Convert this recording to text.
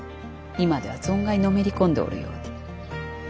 今では存外のめり込んでおるようで。